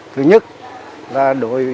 thứ nhất là đổi